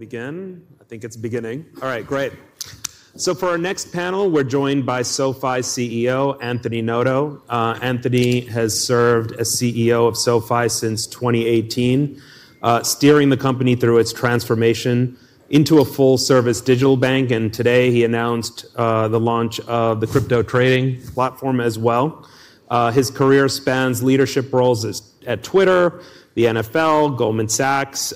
Begin? I think it's beginning. All right, great. For our next panel, we're joined by SoFi CEO, Anthony Noto. Anthony has served as CEO of SoFi since 2018, steering the company through its transformation into a full-service digital bank. Today he announced the launch of the crypto-trading platform as well. His career spans leadership roles at Twitter, the NFL, Goldman Sachs.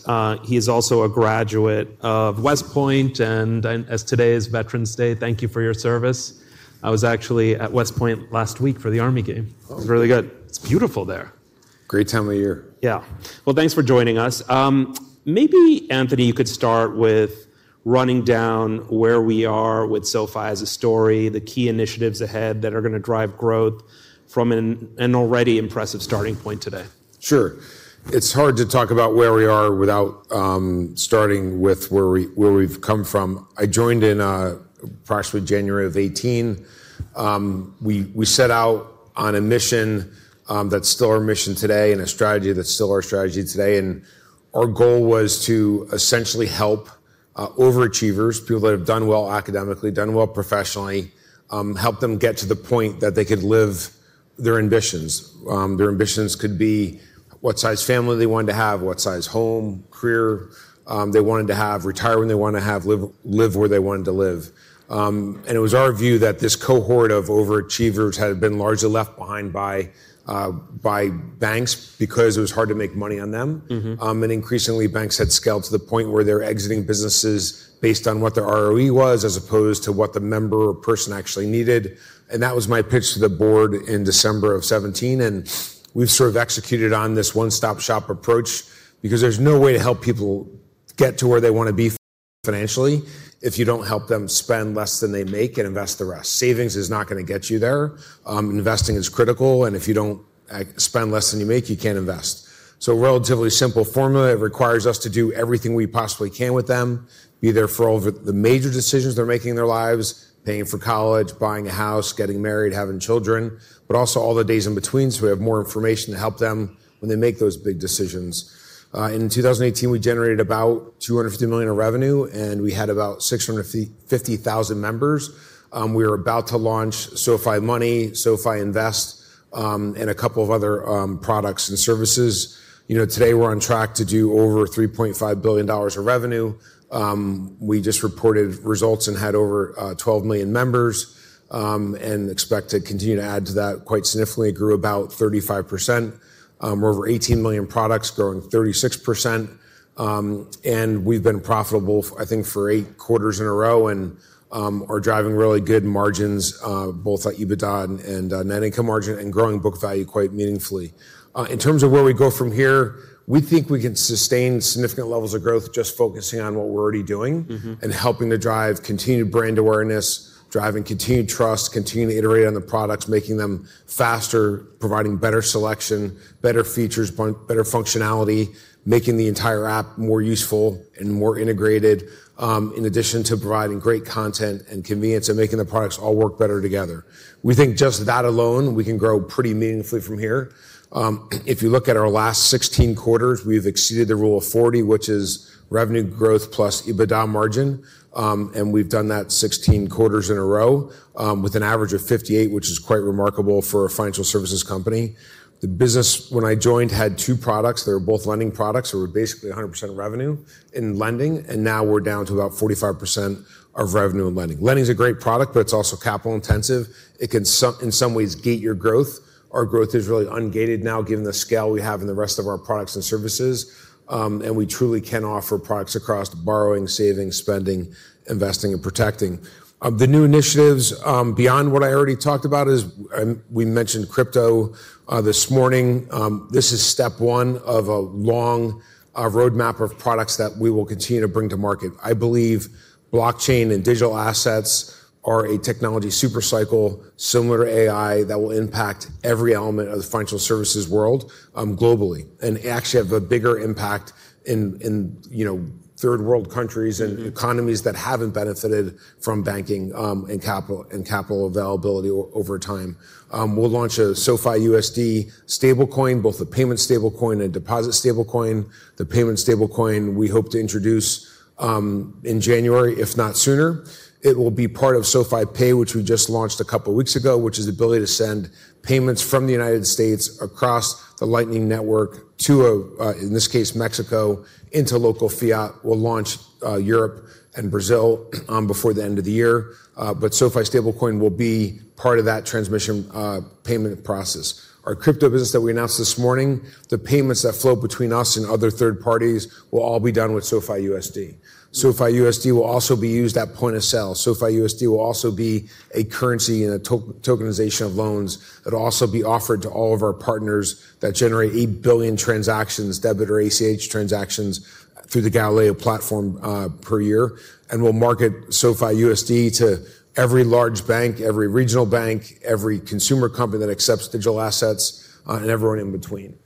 He is also a graduate of West Point. As today is Veterans Day, thank you for your service. I was actually at West Point last week for the Army game. It was really good. It's beautiful there. Great time of year. Yeah. Thanks for joining us. Maybe, Anthony, you could start with running down where we are with SoFi as a story, the key initiatives ahead that are going to drive growth from an already impressive starting point today. Sure. It's hard to talk about where we are without starting with where we've come from. I joined in approximately January of 2018. We set out on a mission that's still our mission today and a strategy that's still our strategy today. Our goal was to essentially help overachievers, people that have done well academically, done well professionally, help them get to the point that they could live their ambitions. Their ambitions could be what size family they wanted to have, what size home, career they wanted to have, retire when they wanted to have, live where they wanted to live. It was our view that this cohort of overachievers had been largely left behind by banks because it was hard to make money on them. Increasingly, banks had scaled to the point where they're exiting businesses based on what their ROE was as opposed to what the member or person actually needed. That was my pitch to the board in December of 2017. We have sort of executed on this one-stop-shop approach because there is no way to help people get to where they want to be financially if you do not help them spend less than they make and invest the rest. Savings is not going to get you there. Investing is critical. If you do not spend less than you make, you cannot invest. A relatively simple formula. It requires us to do everything we possibly can with them, be there for all the major decisions they're making in their lives, paying for college, buying a house, getting married, having children, but also all the days in between so we have more information to help them when they make those big decisions. In 2018, we generated about $250 million in revenue, and we had about 650,000 members. We were about to launch SoFi Money, SoFi Invest, and a couple of other products and services. Today, we're on track to do over $3.5 billion in revenue. We just reported results and had over 12 million members and expect to continue to add to that quite significantly. It grew about 35%. We're over 18 million products, growing 36%. We've been profitable, I think, for eight quarters in a row and are driving really good margins both at EBITDA and net income margin and growing book value quite meaningfully. In terms of where we go from here, we think we can sustain significant levels of growth just focusing on what we're already doing and helping to drive continued brand awareness, driving continued trust, continuing to iterate on the products, making them faster, providing better selection, better features, better functionality, making the entire app more useful and more integrated, in addition to providing great content and convenience and making the products all work better together. We think just that alone, we can grow pretty meaningfully from here. If you look at our last 16 quarters, we've exceeded the rule of 40, which is revenue growth plus EBITDA margin. We have done that 16 quarters in a row with an average of 58%, which is quite remarkable for a financial services company. The business, when I joined, had two products. They were both lending products. They were basically 100% revenue in lending. Now we are down to about 45% of revenue in lending. Lending is a great product, but it is also capital-intensive. It can in some ways gate your growth. Our growth is really un-gated now given the scale we have in the rest of our products and services. We truly can offer products across borrowing, saving, spending, investing, and protecting. The new initiatives beyond what I already talked about is we mentioned crypto this morning. This is step one of a long roadmap of products that we will continue to bring to market. I believe blockchain and digital assets are a technology super-cycle similar to AI that will impact every element of the financial services world globally and actually have a bigger impact in Third World countries and economies that have not benefited from banking and capital availability over time. We'll launch a SoFi USD stablecoin, both a payment stablecoin and a deposit stablecoin. The payment stablecoin we hope to introduce in January, if not sooner. It will be part of SoFi Pay, which we just launched a couple of weeks ago, which is the ability to send payments from the United States across the Lightning Network to, in this case, Mexico into local fiat. We'll launch Europe and Brazil before the end of the year. SoFi stablecoin will be part of that transmission payment process. Our crypto business that we announced this morning, the payments that flow between us and other third parties will all be done with SoFi USD. SoFi USD will also be used at point of sale. SoFi USD will also be a currency in a tokenization of loans that will also be offered to all of our partners that generate 8 billion transactions, debit or ACH transactions through the Galileo platform per year. We will market SoFi USD to every large bank, every regional bank, every consumer company that accepts digital assets, and everyone in between.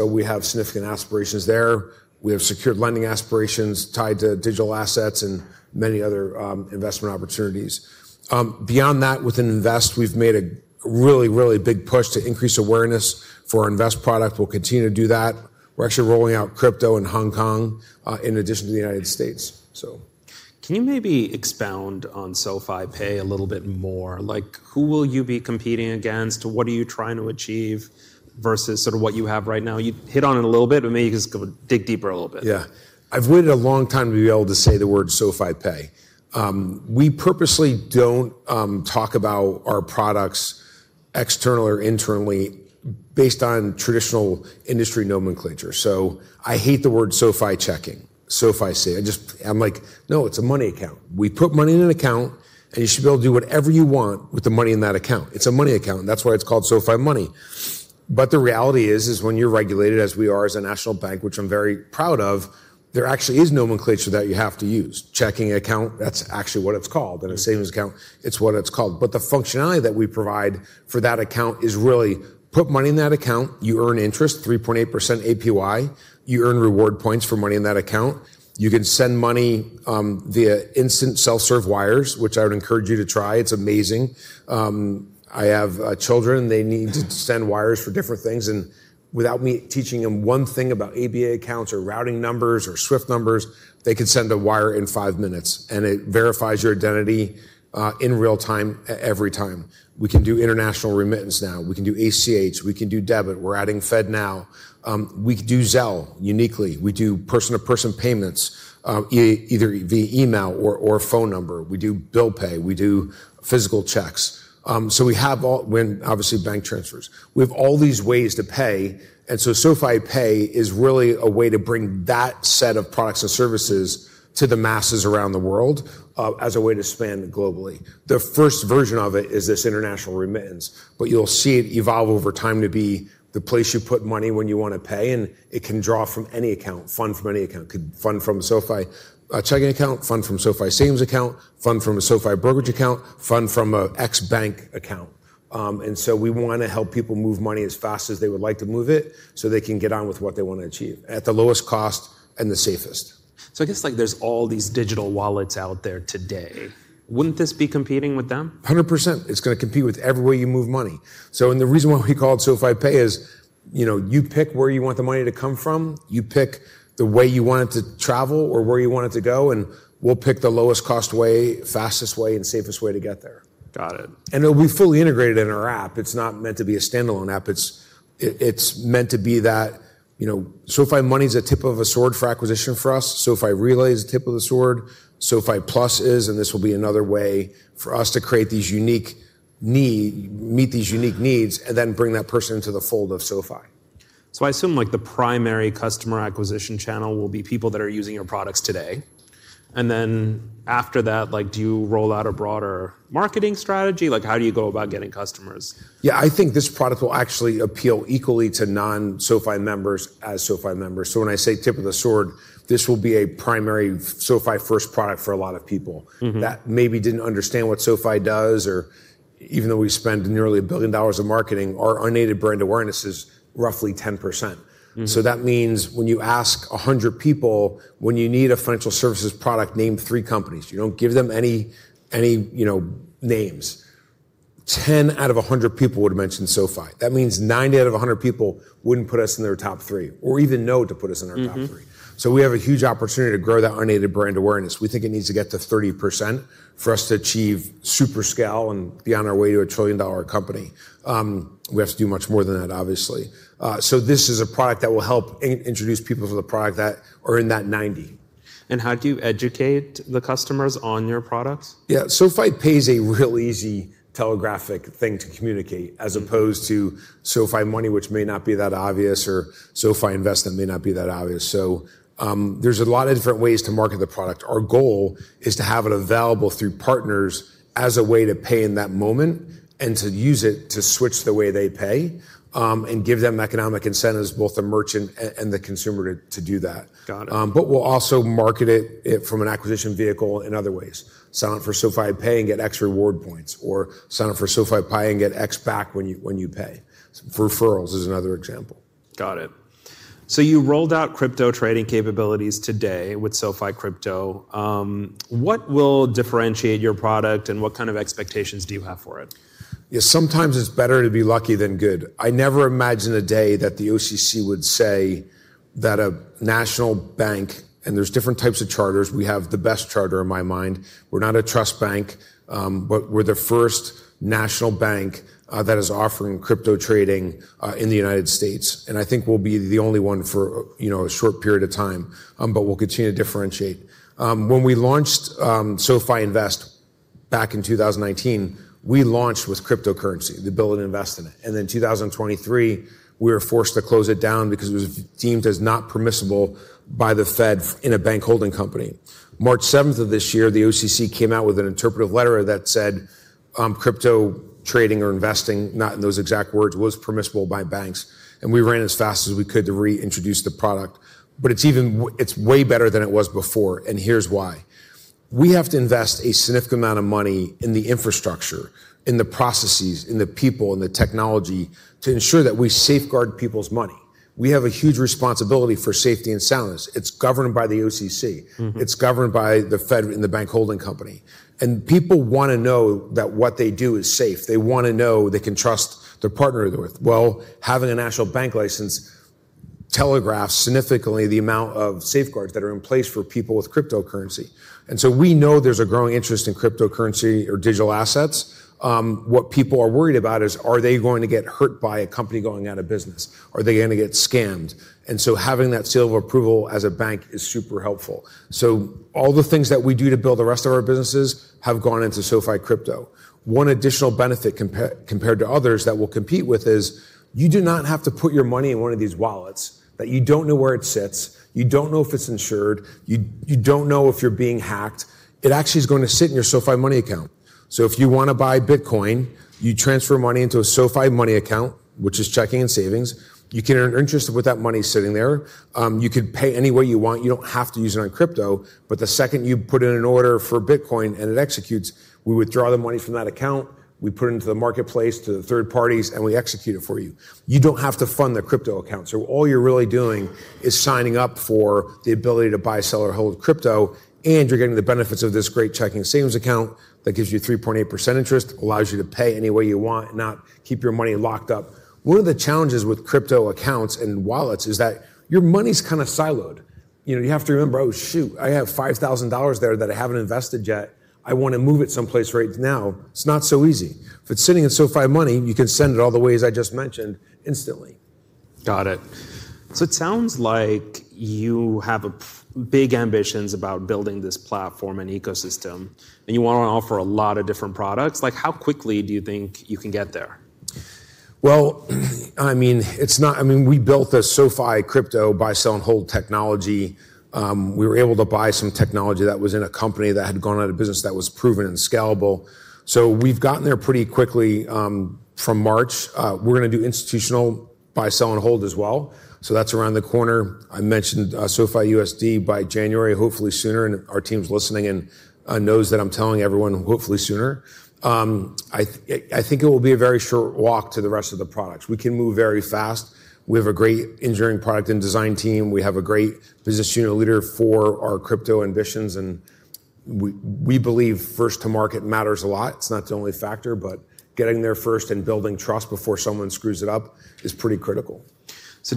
We have significant aspirations there. We have secured lending aspirations tied to digital assets and many other investment opportunities. Beyond that, within Invest, we have made a really, really big push to increase awareness for our Invest product. We will continue to do that. We're actually rolling out crypto in Hong Kong in addition to the United States. Can you maybe expound on SoFi Pay a little bit more? Who will you be competing against? What are you trying to achieve versus sort of what you have right now? You hit on it a little bit, but maybe you can dig deeper a little bit. Yeah. I've waited a long time to be able to say the word SoFi Pay. We purposely do not talk about our products externally or internally based on traditional industry nomenclature. I hate the word SoFi Checking, SoFi Save. I'm like, no, it's a money account. We put money in an account, and you should be able to do whatever you want with the money in that account. It's a money account. That's why it's called SoFi Money. The reality is, when you're regulated as we are as a national bank, which I'm very proud of, there actually is nomenclature that you have to use. Checking account, that's actually what it's called. A savings account, it's what it's called. The functionality that we provide for that account is really put money in that account. You earn interest, 3.8% APY. You earn reward points for money in that account. You can send money via instant self-serve wires, which I would encourage you to try. It's amazing. I have children. They need to send wires for different things. Without me teaching them one thing about ABA accounts or routing numbers or SWIFT numbers, they could send a wire in five minutes. It verifies your identity in real time every time. We can do international remittance now. We can do ACH. We can do debit. We're adding FedNow. We do Zelle uniquely. We do person-to-person payments either via email or phone number. We do Bill Pay. We do physical checks. We have all, obviously, bank transfers. We have all these ways to pay. SoFi Pay is really a way to bring that set of products and services to the masses around the world as a way to spend globally. The first version of it is this international remittance. You'll see it evolve over time to be the place you put money when you want to pay. It can draw from any account, fund from any account, could fund from a SoFi checking account, fund from a SoFi savings account, fund from a SoFi brokerage account, fund from an ex-bank account. We want to help people move money as fast as they would like to move it so they can get on with what they want to achieve at the lowest cost and the safest. I guess there's all these digital wallets out there today. Wouldn't this be competing with them? 100%. It's going to compete with every way you move money. The reason why we call it SoFi Pay is you pick where you want the money to come from. You pick the way you want it to travel or where you want it to go. We'll pick the lowest cost way, fastest way, and safest way to get there. Got it. It'll be fully integrated in our app. It's not meant to be a stand-alone app. It's meant to be that SoFi Money is the tip of a sword for acquisition for us. SoFi Relay is the tip of the sword. SoFi Plus is, and this will be another way for us to create these unique needs, meet these unique needs, and then bring that person into the fold of SoFi. I assume the primary customer acquisition channel will be people that are using your products today. And then after that, do you roll out a broader marketing strategy? How do you go about getting customers? Yeah, I think this product will actually appeal equally to non-SoFi members as SoFi members. When I say tip of the sword, this will be a primary SoFi-first product for a lot of people that maybe didn't understand what SoFi does. Or even though we spend nearly $1 billion in marketing, our unaided brand awareness is roughly 10%. That means when you ask 100 people, when you need a financial services product, name three companies, you don't give them any names, 10 out of 100 people would mention SoFi. That means 90 out of 100 people wouldn't put us in their top three or even know to put us in our top three. We have a huge opportunity to grow that unaided brand awareness. We think it needs to get to 30% for us to achieve super-scale and be on our way to a trillion-dollar company. We have to do much more than that, obviously. This is a product that will help introduce people to the product that are in that 90. How do you educate the customers on your products? Yeah. SoFi Pay is a real easy telegraphic thing to communicate as opposed to SoFi Money, which may not be that obvious, or SoFi Invest may not be that obvious. There are a lot of different ways to market the product. Our goal is to have it available through partners as a way to pay in that moment and to use it to switch the way they pay and give them economic incentives, both the merchant and the consumer, to do that. We will also market it from an acquisition vehicle in other ways. Sign up for SoFi Pay and get X reward points or sign up for SoFi Pay and get X back when you pay. Referrals is another example. Got it. So you rolled out crypto trading capabilities today with SoFi Crypto. What will differentiate your product and what kind of expectations do you have for it? Yeah, sometimes it's better to be lucky than good. I never imagined a day that the OCC would say that a national bank, and there's different types of charters. We have the best charter in my mind. We're not a trust bank, but we're the first national bank that is offering crypto trading in the United States. I think we'll be the only one for a short period of time, but we'll continue to differentiate. When we launched SoFi Invest back in 2019, we launched with cryptocurrency, the ability to invest in it. In 2023, we were forced to close it down because it was deemed as not permissible by the Fed in a bank holding company. March 7th of this year, the OCC came out with an interpretive letter that said crypto trading or investing, not in those exact words, was permissible by banks. We ran as fast as we could to reintroduce the product. It is way better than it was before. Here is why. We have to invest a significant amount of money in the infrastructure, in the processes, in the people, in the technology to ensure that we safeguard people's money. We have a huge responsibility for safety and soundness. It is governed by the OCC. It is governed by the Fed in the bank holding company. People want to know that what they do is safe. They want to know they can trust their partner with. Having a national bank license telegraphs significantly the amount of safeguards that are in place for people with cryptocurrency. We know there is a growing interest in cryptocurrency or digital assets. What people are worried about is, are they going to get hurt by a company going out of business? Are they going to get scammed? Having that seal of approval as a bank is super helpful. All the things that we do to build the rest of our businesses have gone into SoFi Crypto. One additional benefit compared to others that we'll compete with is you do not have to put your money in one of these wallets that you do not know where it sits. You do not know if it is insured. You do not know if you are being hacked. It actually is going to sit in your SoFi Money account. If you want to buy Bitcoin, you transfer money into a SoFi Money account, which is checking and savings. You can earn interest with that money sitting there. You could pay any way you want. You do not have to use it on crypto. The second you put in an order for Bitcoin and it executes, we withdraw the money from that account. We put it into the marketplace to third parties, and we execute it for you. You do not have to fund the crypto account. All you are really doing is signing up for the ability to buy, sell, or hold crypto. You are getting the benefits of this great checking and savings account that gives you 3.8% interest, allows you to pay any way you want, not keep your money locked up. One of the challenges with crypto accounts and wallets is that your money is kind of siloed. You have to remember, oh, shoot, I have $5,000 there that I have not invested yet. I want to move it someplace right now. It is not so easy. If it's sitting in SoFi Money, you can send it all the ways I just mentioned instantly. Got it. So it sounds like you have big ambitions about building this platform and ecosystem, and you want to offer a lot of different products. How quickly do you think you can get there? I mean, it's not, I mean, we built this SoFi Crypto buy-sell-and-hold technology. We were able to buy some technology that was in a company that had gone out of business that was proven and scalable. We have gotten there pretty quickly from March. We're going to do institutional buy-sell-and-hold as well. That's around the corner. I mentioned SoFi USD by January, hopefully sooner. Our team's listening and knows that I'm telling everyone hopefully sooner. I think it will be a very short walk to the rest of the products. We can move very fast. We have a great engineering product and design team. We have a great business unit leader for our crypto ambitions. We believe first to market matters a lot. It's not the only factor, but getting there first and building trust before someone screws it up is pretty critical.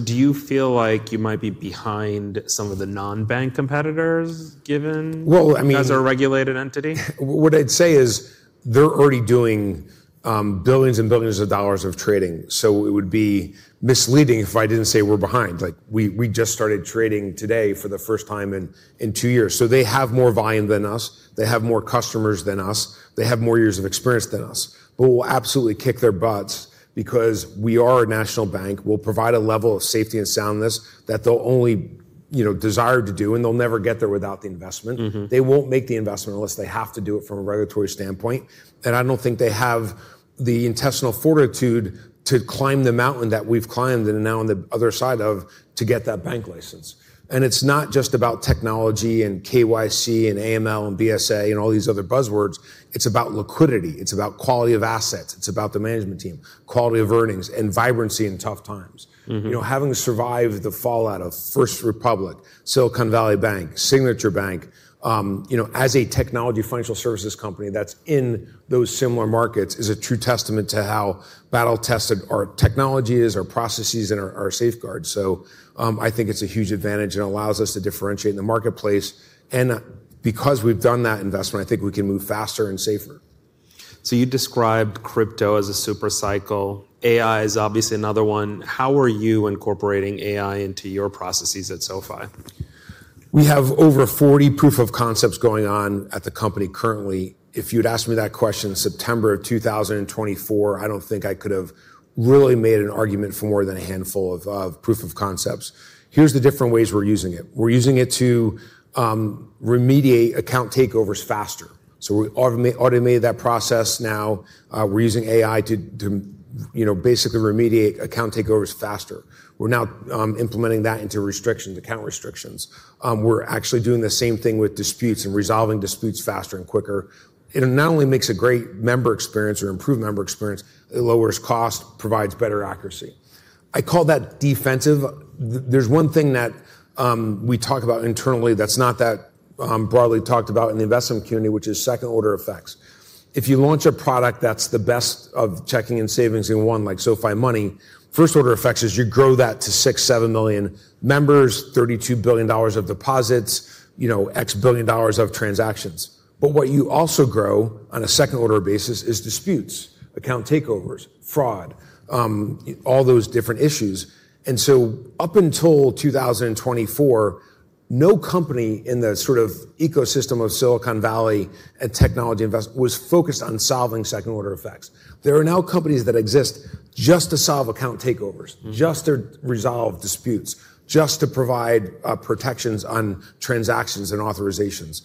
Do you feel like you might be behind some of the non-bank competitors given that's a regulated entity? I mean, what I'd say is they're already doing billions and billions of dollars of trading. It would be misleading if I didn't say we're behind. We just started trading today for the first time in two years. They have more volume than us. They have more customers than us. They have more years of experience than us. We'll absolutely kick their butts because we are a national bank. We'll provide a level of safety and soundness that they'll only desire to do, and they'll never get there without the investment. They won't make the investment unless they have to do it from a regulatory standpoint. I don't think they have the intestinal fortitude to climb the mountain that we've climbed and now on the other side of to get that bank license. It is not just about technology and KYC and AML and BSA and all these other buzzwords. It is about liquidity. It is about quality of assets. It is about the management team, quality of earnings, and vibrancy in tough times. Having survived the fallout of First Republic, Silicon Valley Bank, Signature Bank, as a technology financial services company that is in those similar markets is a true testament to how battle-tested our technology is, our processes, and our safeguards. I think it is a huge advantage. It allows us to differentiate in the marketplace. Because we have done that investment, I think we can move faster and safer. You described crypto as a super cycle. AI is obviously another one. How are you incorporating AI into your processes at SoFi? We have over 40 proof-of-concepts going on at the company currently. If you'd asked me that question in September of 2024, I don't think I could have really made an argument for more than a handful of proof-of-concepts. Here are the different ways we're using it. We're using it to remediate account takeovers faster. We automated that process now. We're using AI to basically remediate account takeovers faster. We're now implementing that into restrictions, account restrictions. We're actually doing the same thing with disputes and resolving disputes faster and quicker. It not only makes a great member experience or improved member experience, it lowers cost, provides better accuracy. I call that defensive. There is one thing that we talk about internally that's not that broadly talked about in the investment community, which is second-order effects. If you launch a product that's the best of checking and savings in one, like SoFi Money, first-order effects is you grow that to 6-7 million members, $32 billion of deposits, X billion dollars of transactions. What you also grow on a second-order basis is disputes, account takeovers, fraud, all those different issues. Up until 2024, no company in the sort of ecosystem of Silicon Valley and technology investment was focused on solving second-order effects. There are now companies that exist just to solve account takeovers, just to resolve disputes, just to provide protections on transactions and authorizations.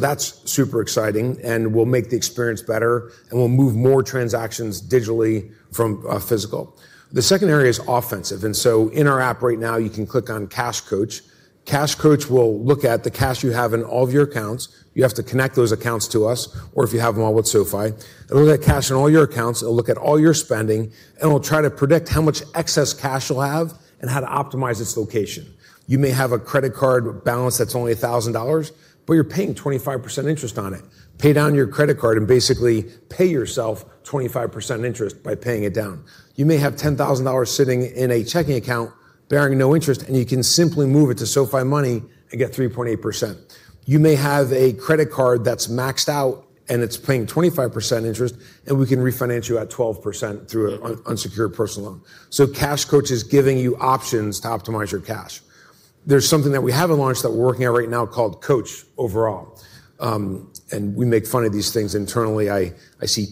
That is super exciting. It will make the experience better. It will move more transactions digitally from physical. The second area is offensive. In our app right now, you can click on Cash Coach. Cash Coach will look at the cash you have in all of your accounts. You have to connect those accounts to us, or if you have them all with SoFi. It'll look at cash in all your accounts. It'll look at all your spending. It'll try to predict how much excess cash you'll have and how to optimize its location. You may have a credit card balance that's only $1,000, but you're paying 25% interest on it. Pay down your credit card and basically pay yourself 25% interest by paying it down. You may have $10,000 sitting in a checking account bearing no interest, and you can simply move it to SoFi Money and get 3.8%. You may have a credit card that's maxed out and it's paying 25% interest, and we can refinance you at 12% through an unsecured personal loan. Cash Coach is giving you options to optimize your cash. There is something that we have not launched that we are working on right now called Coach overall. We make fun of these things internally. I see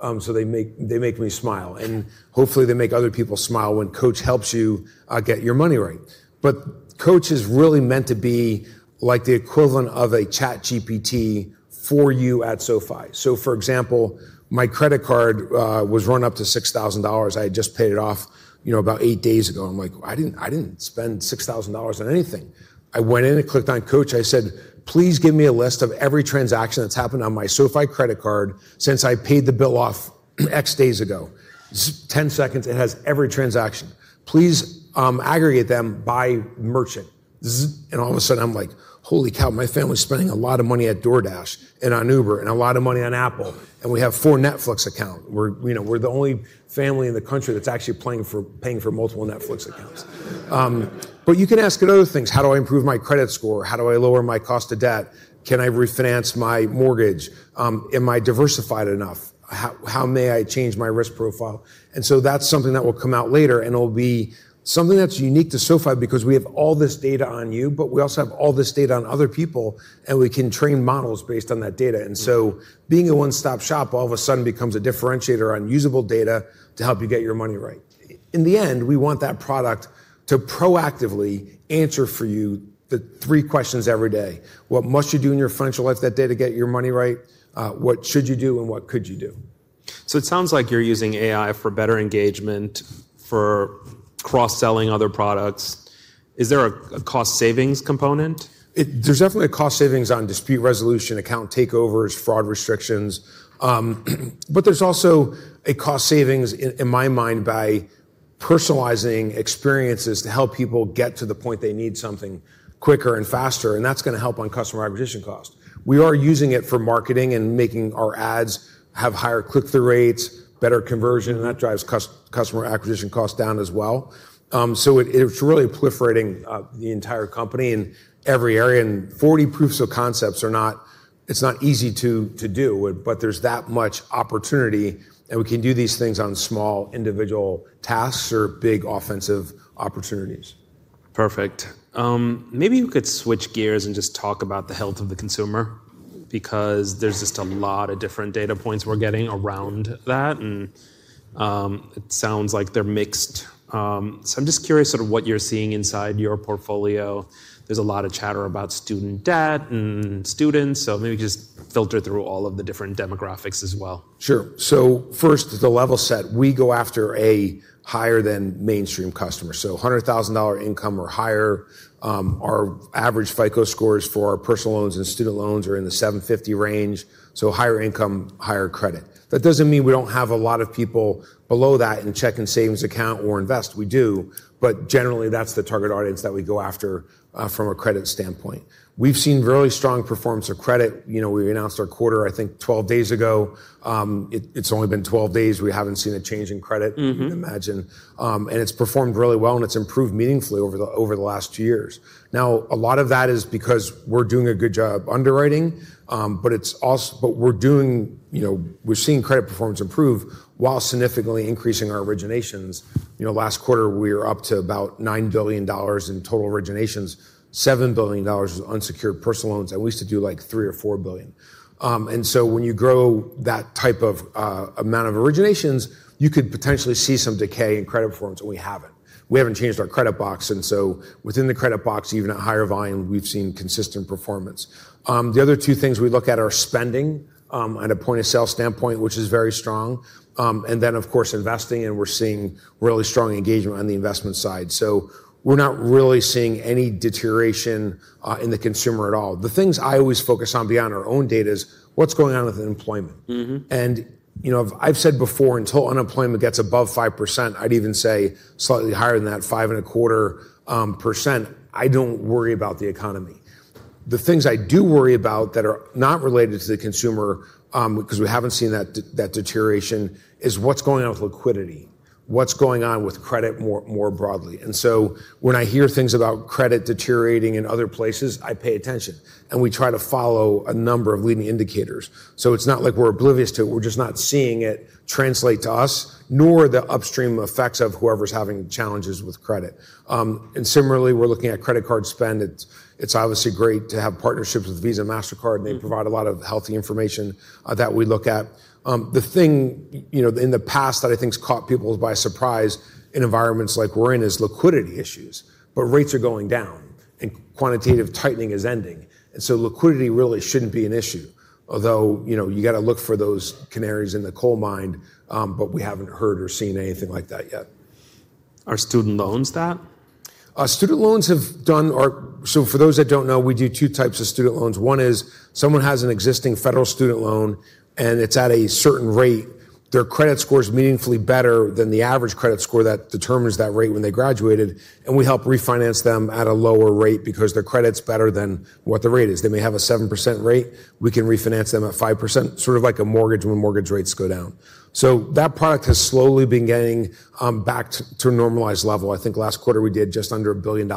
T-shirts with my face on it and hats. They make me smile. Hopefully, they make other people smile when Coach helps you get your money right. Coach is really meant to be like the equivalent of a ChatGPT for you at SoFi. For example, my credit card was run up to $6,000. I had just paid it off about eight days ago. I am like, I did not spend $6,000 on anything. I went in and clicked on Coach. I said, please give me a list of every transaction that has happened on my SoFi Credit Card since I paid the bill off X days ago. Ten seconds, it has every transaction. Please aggregate them by merchant. All of a sudden, I'm like, holy cow, my family's spending a lot of money at DoorDash and on Uber and a lot of money on Apple. We have four Netflix accounts. We're the only family in the country that's actually paying for multiple Netflix accounts. You can ask it other things. How do I improve my credit score? How do I lower my cost of debt? Can I refinance my mortgage? Am I diversified enough? How may I change my risk profile? That is something that will come out later. It will be something that's unique to SoFi because we have all this data on you, but we also have all this data on other people. We can train models based on that data. Being a one-stop shop all of a sudden becomes a differentiator on usable data to help you get your money right. In the end, we want that product to proactively answer for you the three questions every day. What must you do in your financial life that day to get your money right? What should you do and what could you do? So it sounds like you're using AI for better engagement, for cross-selling other products. Is there a cost savings component? There's definitely a cost savings on dispute resolution, account takeovers, fraud restrictions. There's also a cost savings in my mind by personalizing experiences to help people get to the point they need something quicker and faster. That's going to help on customer acquisition cost. We are using it for marketing and making our ads have higher click-through rates, better conversion. That drives customer acquisition cost down as well. It's really proliferating the entire company in every area. Forty proofs-of-concepts are not, it's not easy to do. There's that much opportunity. We can do these things on small individual tasks or big offensive opportunities. Perfect. Maybe you could switch gears and just talk about the health of the consumer because there's just a lot of different data points we're getting around that. It sounds like they're mixed. I'm just curious sort of what you're seeing inside your portfolio. There's a lot of chatter about student debt and students. Maybe just filter through all of the different demographics as well. Sure. First, the level set. We go after a higher-than-mainstream customer. So $100,000 income or higher. Our average FICO scores for our personal loans and student loans are in the 750 range. So higher income, higher credit. That does not mean we do not have a lot of people below that in check and savings account or invest. We do. Generally, that is the target audience that we go after from a credit standpoint. We have seen really strong performance of credit. We announced our quarter, I think, 12 days ago. It has only been 12 days. We have not seen a change in credit, you can imagine. It has performed really well. It has improved meaningfully over the last two years. A lot of that is because we are doing a good job underwriting. We are seeing credit performance improve while significantly increasing our originations. Last quarter, we were up to about $9 billion in total originations, $7 billion in unsecured personal loans. We used to do like $3 billion or $4 billion. When you grow that type of amount of originations, you could potentially see some decay in credit performance. We haven't. We haven't changed our credit box. Within the credit box, even at higher volume, we've seen consistent performance. The other two things we look at are spending on a point-of-sale standpoint, which is very strong. Of course, investing. We're seeing really strong engagement on the investment side. We're not really seeing any deterioration in the consumer at all. The things I always focus on beyond our own data is what's going on with employment. I've said before, until unemployment gets above 5%, I'd even say slightly higher than that, 5.25%, I don't worry about the economy. The things I do worry about that are not related to the consumer because we haven't seen that deterioration is what's going on with liquidity, what's going on with credit more broadly. When I hear things about credit deteriorating in other places, I pay attention. We try to follow a number of leading indicators. It's not like we're oblivious to it. We're just not seeing it translate to us, nor the upstream effects of whoever's having challenges with credit. Similarly, we're looking at credit card spend. It's obviously great to have partnerships with Visa and MasterCard. They provide a lot of healthy information that we look at. The thing in the past that I think has caught people by surprise in environments like we're in is liquidity issues. Rates are going down. Quantitative tightening is ending. Liquidity really shouldn't be an issue, although you got to look for those canaries in the coal mine. We haven't heard or seen anything like that yet. Are student loans that? Student loans have done our SoFi. For those that do not know, we do two types of student loans. One is someone has an existing federal student loan, and it is at a certain rate. Their credit score is meaningfully better than the average credit score that determines that rate when they graduated, and we help refinance them at a lower rate because their credit is better than what the rate is. They may have a 7% rate. We can refinance them at 5%, sort of like a mortgage when mortgage rates go down. That product has slowly been getting back to a normalized level. I think last quarter we did just under $1 billion,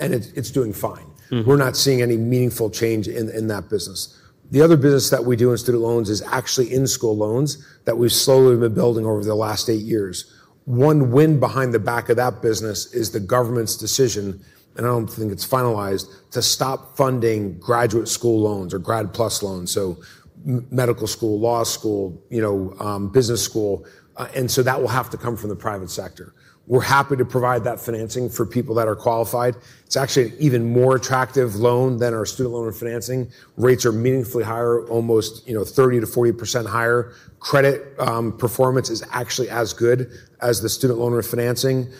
and it is doing fine. We are not seeing any meaningful change in that business. The other business that we do in student loans is actually in-school loans that we have slowly been building over the last eight years. One win behind the back of that business is the government's decision, and I don't think it's finalized, to stop funding graduate school loans or Grad Plus loans, so medical school, law school, business school. That will have to come from the private sector. We're happy to provide that financing for people that are qualified. It's actually an even more attractive loan than our student loan refinancing. Rates are meaningfully higher, almost 30%-40% higher. Credit performance is actually as good as the student loan refinancing.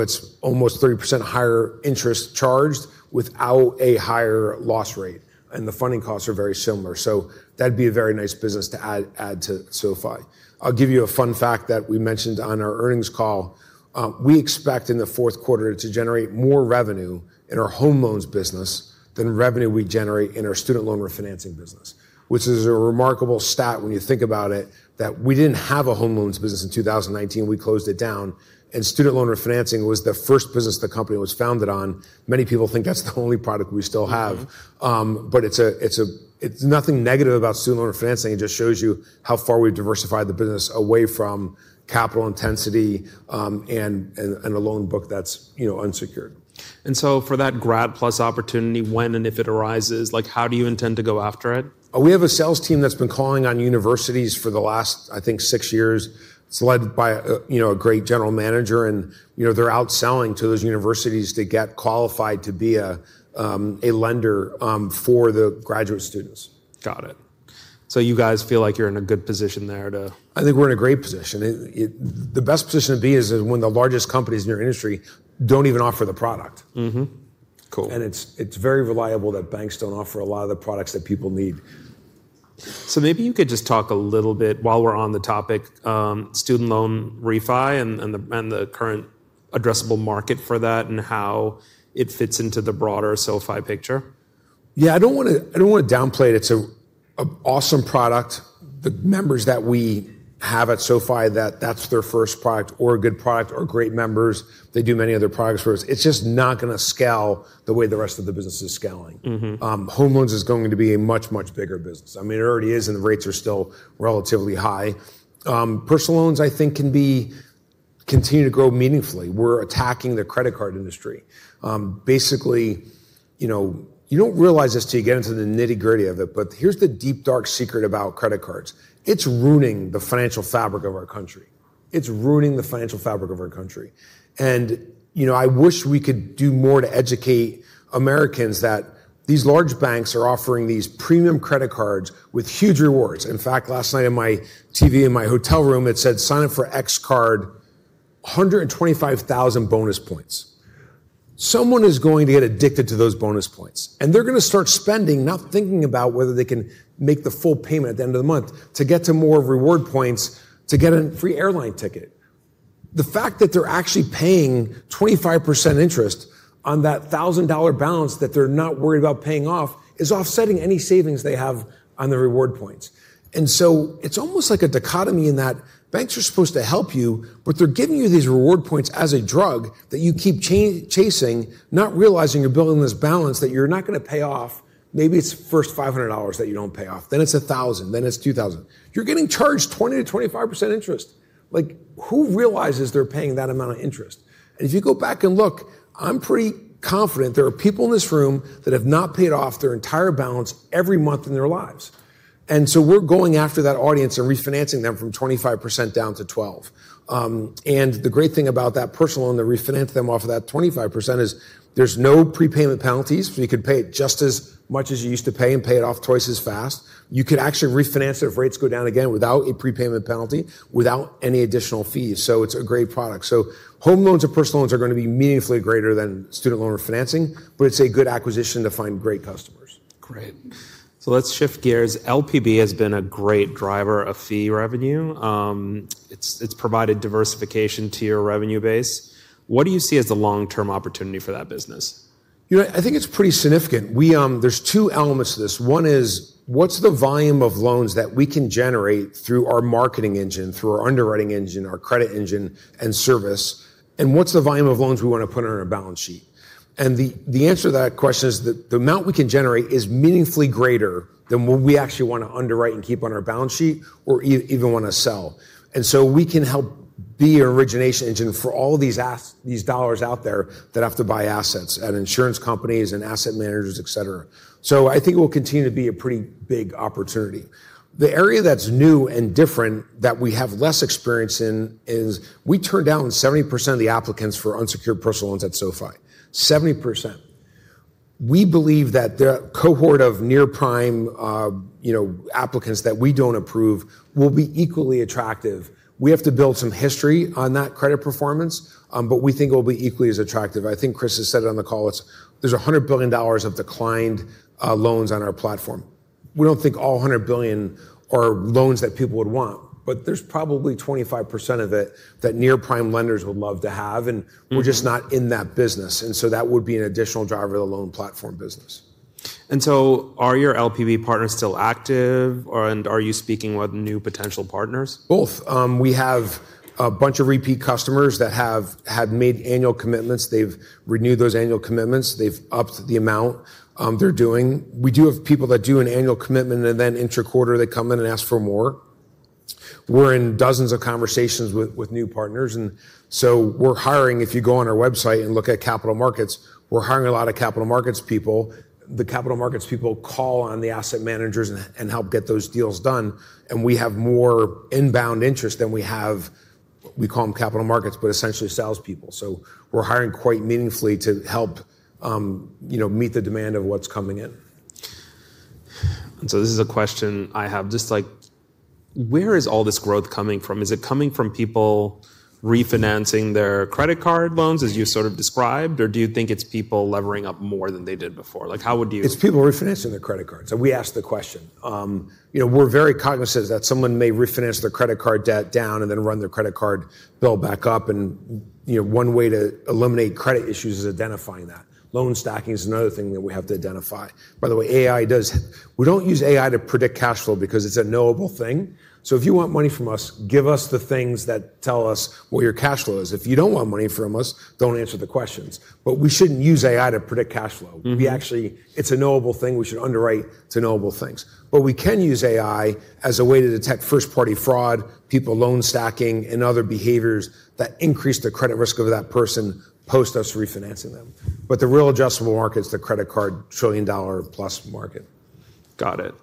It's almost 30% higher interest charged without a higher loss rate. The funding costs are very similar. That would be a very nice business to add to SoFi. I'll give you a fun fact that we mentioned on our earnings call. We expect in the fourth quarter to generate more revenue in our home loans business than revenue we generate in our student loan refinancing business, which is a remarkable stat when you think about it, that we did not have a home loans business in 2019. We closed it down. And student loan refinancing was the first business the company was founded on. Many people think that is the only product we still have. It is nothing negative about student loan refinancing. It just shows you how far we have diversified the business away from capital intensity and a loan book that is unsecured. For that Grad Plus opportunity, when and if it arises, how do you intend to go after it? We have a sales team that's been calling on universities for the last, I think, six years. It's led by a great General Manager. They're out selling to those universities to get qualified to be a lender for the graduate students. Got it. So you guys feel like you're in a good position there too? I think we're in a great position. The best position to be is when the largest companies in your industry don't even offer the product. It is very reliable that banks don't offer a lot of the products that people need. Maybe you could just talk a little bit while we're on the topic, student loan refi and the current addressable market for that and how it fits into the broader SoFi picture. Yeah, I don't want to downplay it. It's an awesome product. The members that we have at SoFi, that's their first product or a good product or great members. They do many other products for us. It's just not going to scale the way the rest of the business is scaling. Home loans is going to be a much, much bigger business. I mean, it already is. The rates are still relatively high. Personal loans, I think, can continue to grow meaningfully. We're attacking the credit card industry. Basically, you don't realize this till you get into the nitty-gritty of it. Here's the deep, dark secret about credit cards. It's ruining the financial fabric of our country. It's ruining the financial fabric of our country. I wish we could do more to educate Americans that these large banks are offering these premium credit cards with huge rewards. In fact, last night on my TV in my hotel room, it said, "Sign up for X card, 125,000 bonus points." Someone is going to get addicted to those bonus points. They're going to start spending, not thinking about whether they can make the full payment at the end of the month to get to more reward points to get a free airline ticket. The fact that they're actually paying 25% interest on that $1,000 balance that they're not worried about paying off is offsetting any savings they have on the reward points. It's almost like a dichotomy in that banks are supposed to help you. They're giving you these reward points as a drug that you keep chasing, not realizing you're building this balance that you're not going to pay off. Maybe it's first $500 that you don't pay off. Then it's $1,000. It's $2,000. You're getting charged 20%-25% interest. Who realizes they're paying that amount of interest? If you go back and look, I'm pretty confident there are people in this room that have not paid off their entire balance every month in their lives. We're going after that audience and refinancing them from 25% down to 12%. The great thing about that personal loan that refinances them off of that 25% is there's no prepayment penalties. You could pay it just as much as you used to pay and pay it off twice as fast. You could actually refinance it if rates go down again without a prepayment penalty, without any additional fees. It's a great product. Home loans and personal loans are going to be meaningfully greater than student loan refinancing. It's a good acquisition to find great customers. Great. Let's shift gears. LPB has been a great driver of fee revenue. It's provided diversification to your revenue base. What do you see as the long-term opportunity for that business? I think it's pretty significant. There are two elements to this. One is, what's the volume of loans that we can generate through our marketing engine, through our underwriting engine, our credit engine, and service? What's the volume of loans we want to put on our balance sheet? The answer to that question is that the amount we can generate is meaningfully greater than what we actually want to underwrite and keep on our balance sheet or even want to sell. We can help be an origination engine for all these dollars out there that have to buy assets at insurance companies and asset managers, et cetera. I think it will continue to be a pretty big opportunity. The area that's new and different that we have less experience in is we turned down 70% of the applicants for unsecured personal loans at SoFi, 70%. We believe that the cohort of near prime applicants that we do not approve will be equally attractive. We have to build some history on that credit performance. We think it will be equally as attractive. I think Chris has said it on the call. There is $100 billion of declined loans on our platform. We do not think all $100 billion are loans that people would want. There is probably 25% of it that near-prime lenders would love to have. We are just not in that business. That would be an additional driver of the Loan Platform Business. Are your LPB partners still active? And are you speaking with new potential partners? Both. We have a bunch of repeat customers that have made annual commitments. They've renewed those annual commitments. They've upped the amount they're doing. We do have people that do an annual commitment, and then intra quarter, they come in and ask for more. We're in dozens of conversations with new partners. We are hiring. If you go on our website and look at capital markets, we're hiring a lot of capital markets people. The capital markets people call on the asset managers and help get those deals done. We have more inbound interest than we have what we call in capital markets, but essentially salespeople. We are hiring quite meaningfully to help meet the demand of what's coming in. This is a question I have just like, where is all this growth coming from? Is it coming from people refinancing their credit card loans, as you sort of described? Or do you think it's people levering up more than they did before? How would you? It's people refinancing their credit cards. We ask the question. We're very cognizant that someone may refinance their credit card debt down and then run their credit card bill back up. One way to eliminate credit issues is identifying that. Loan stacking is another thing that we have to identify. By the way, AI does—we don't use AI to predict cash flow because it's a knowable thing. If you want money from us, give us the things that tell us what your cash flow is. If you don't want money from us, don't answer the questions. We shouldn't use AI to predict cash flow. It's a knowable thing. We should underwrite to knowable things. We can use AI as a way to detect first-party fraud, people loan stacking, and other behaviors that increase the credit risk of that person post us refinancing them. The real adjustable market is the credit card trillion-dollar-plus market. Got it.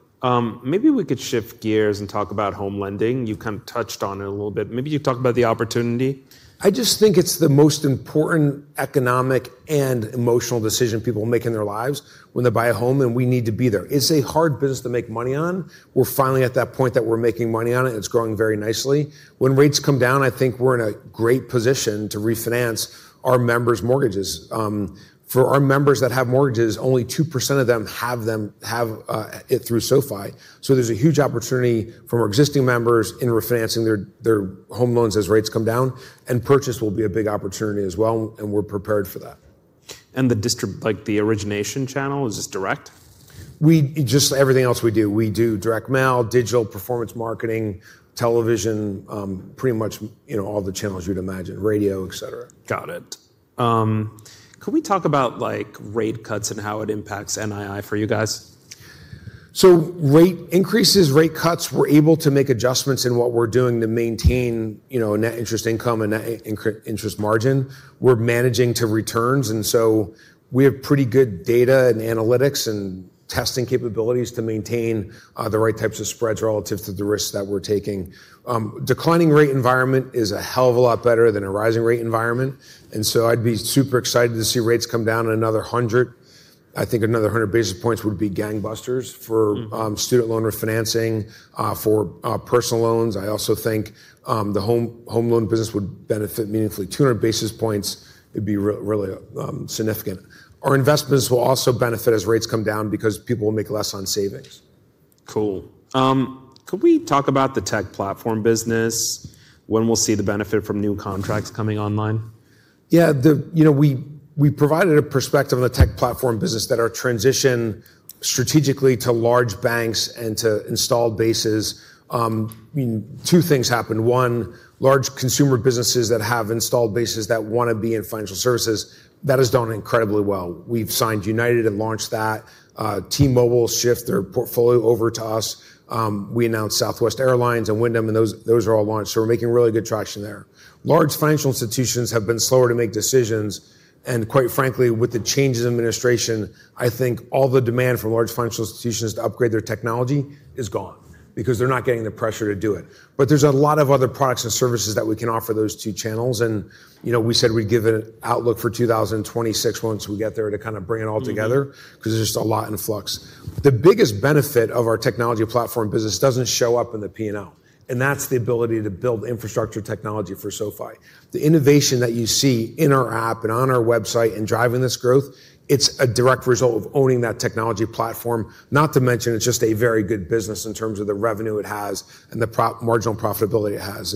Maybe we could shift gears and talk about home lending. You've kind of touched on it a little bit. Maybe you talk about the opportunity. I just think it's the most important economic and emotional decision people make in their lives when they buy a home. We need to be there. It's a hard business to make money on. We're finally at that point that we're making money on it. It's growing very nicely. When rates come down, I think we're in a great position to refinance our members' mortgages. For our members that have mortgages, only 2% of them have it through SoFi. There's a huge opportunity for our existing members in refinancing their home loans as rates come down. Purchase will be a big opportunity as well. We're prepared for that. Is the origination channel direct? Just everything else we do. We do direct mail, digital performance marketing, television, pretty much all the channels you'd imagine, radio, et cetera. Got it. Can we talk about rate cuts and how it impacts NII for you guys? Rate increases, rate cuts. We're able to make adjustments in what we're doing to maintain net interest income and net interest margin. We're managing to returns. We have pretty good data and analytics and testing capabilities to maintain the right types of spreads relative to the risks that we're taking. Declining rate environment is a hell of a lot better than a rising rate environment. I'd be super excited to see rates come down another 100. I think another 100 basis points would be gangbusters for student loan refinancing, for personal loans. I also think the home loan business would benefit meaningfully. 200 basis points would be really significant. Our investments will also benefit as rates come down because people will make less on savings. Cool. Could we talk about the tech platform business? When will we see the benefit from new contracts coming online? Yeah. We provided a perspective on the Tech Platform Business that our transition strategically to large banks and to installed bases. Two things happened. One, large consumer businesses that have installed bases that want to be in financial services, that has done incredibly well. We've signed United and launched that. T-Mobile shift their portfolio over to us. We announced Southwest Airlines and Wyndham. Those are all launched. We're making really good traction there. Large financial institutions have been slower to make decisions. Quite frankly, with the change in administration, I think all the demand from large financial institutions to upgrade their technology is gone because they're not getting the pressure to do it. There's a lot of other products and services that we can offer those two channels. We said we'd give an outlook for 2026 once we get there to kind of bring it all together because there's just a lot in flux. The biggest benefit of our Technology Platform Business does not show up in the P&L. That is the ability to build infrastructure technology for SoFi. The innovation that you see in our app and on our website and driving this growth, it's a direct result of owning that technology platform, not to mention it's just a very good business in terms of the revenue it has and the marginal profitability it has.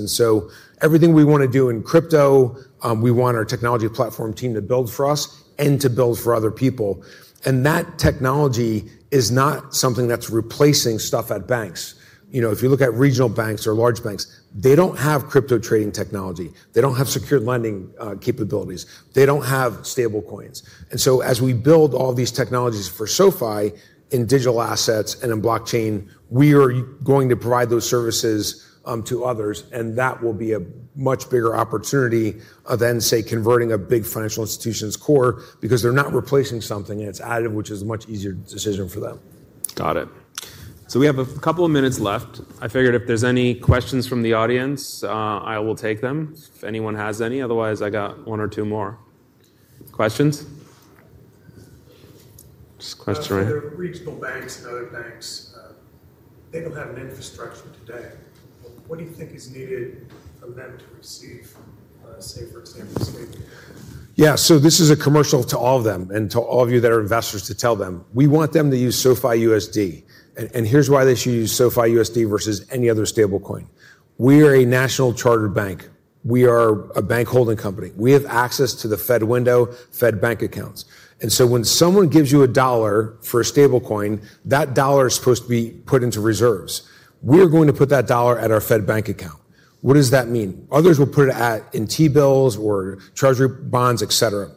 Everything we want to do in crypto, we want our Technology Platform Team to build for us and to build for other people. That technology is not something that's replacing stuff at banks. If you look at regional banks or large banks, they do not have crypto-trading technology. They don't have secure lending capabilities. They don't have stablecoins. As we build all these technologies for SoFi in digital assets and in blockchain, we are going to provide those services to others. That will be a much bigger opportunity than, say, converting a big financial institution's core because they're not replacing something. It's additive, which is a much easier decision for them. Got it. We have a couple of minutes left. I figured if there are any questions from the audience, I will take them if anyone has any. Otherwise, I got one or two more questions. Just questions. Regional banks and other banks, they don't have an infrastructure today. What do you think is needed for them to receive, say, for example, stable? Yeah. This is a commercial to all of them and to all of you that are investors to tell them. We want them to use SoFi USD. And here's why they should use SoFi USD versus any other stablecoin. We are a national chartered bank. We are a bank holding company. We have access to the Fed window, Fed bank accounts. When someone gives you a dollar for a stablecoin, that dollar is supposed to be put into reserves. We are going to put that dollar at our Fed bank account. What does that mean? Others will put it in T-bills or Treasury bonds, et cetera.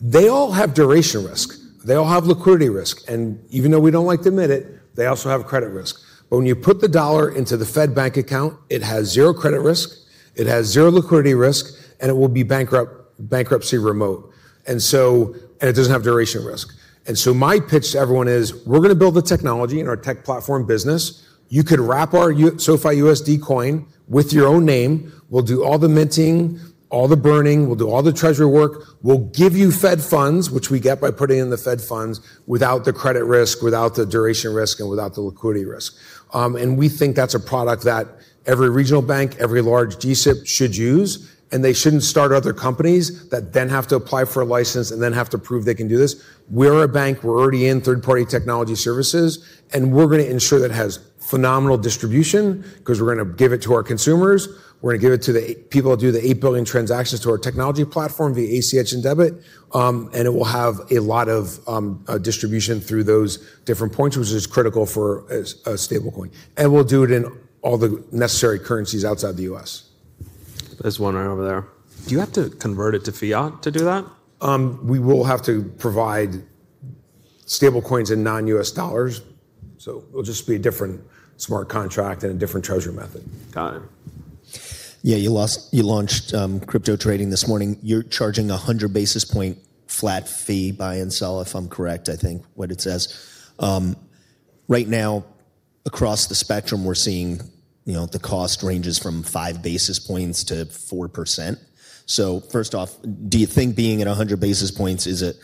They all have duration risk. They all have liquidity risk. Even though we do not like to admit it, they also have credit risk. When you put the dollar into the Fed bank account, it has zero credit risk. It has zero liquidity risk. It will be bankruptcy remote. It does not have duration risk. My pitch to everyone is, we're going to build the technology in our Tech Platform Business. You could wrap our SoFi USD coin with your own name. We'll do all the minting, all the burning. We'll do all the treasury work. We'll give you Fed funds, which we get by putting in the Fed funds without the credit risk, without the duration risk, and without the liquidity risk. We think that's a product that every regional bank, every large G-SIB should use. They should not start other companies that then have to apply for a license and then have to prove they can do this. We're a bank. We're already in third-party technology services. We're going to ensure that it has phenomenal distribution because we're going to give it to our consumers. We're going to give it to the people that do the 8 billion transactions through our technology platform via ACH and debit. It will have a lot of distribution through those different points, which is critical for a stablecoin. We'll do it in all the necessary currencies outside the U.S. There's one right over there. Do you have to convert it to fiat to do that? We will have to provide stablecoins in non-US dollars. It will just be a different smart contract and a different treasury method. Got it. Yeah. You launched crypto trading this morning. You're charging a 100 basis point flat fee buy and sell, if I'm correct, I think, what it says. Right now, across the spectrum, we're seeing the cost ranges from 5 basis points to 4%. First off, do you think being at 100 basis points, is it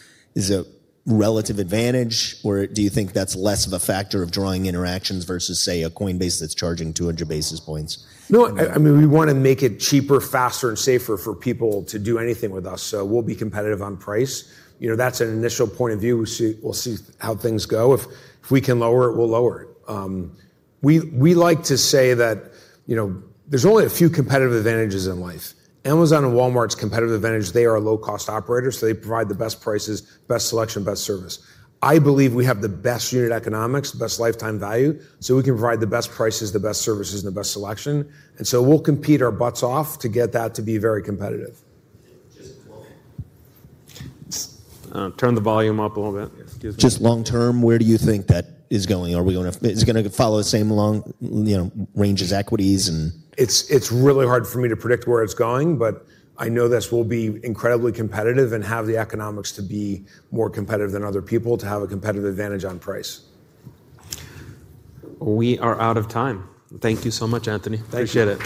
a relative advantage? Or do you think that's less of a factor of drawing interactions versus, say, a Coinbase that's charging 200 basis points? No. I mean, we want to make it cheaper, faster, and safer for people to do anything with us. We will be competitive on price. That is an initial point of view. We will see how things go. If we can lower it, we will lower it. We like to say that there are only a few competitive advantages in life. Amazon and Walmart's competitive advantage, they are low-cost operators. They provide the best prices, best selection, best service. I believe we have the best unit economics, best lifetime value. We can provide the best prices, the best services, and the best selection. We will compete our butts off to get that to be very competitive. Turn the volume up a little bit. Just long term, where do you think that is going? Is it going to follow the same range as equities? It's really hard for me to predict where it's going. I know this will be incredibly competitive and have the economics to be more competitive than other people to have a competitive advantage on price. We are out of time. Thank you so much, Anthony. Appreciate it.